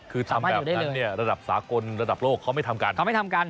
คือทำแบบนั้นระดับสากลระดับโลกเขาไม่ทำกัน